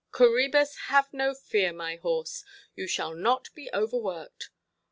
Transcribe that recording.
"Coræbus, have no fear, my horse, you shall not be overworked.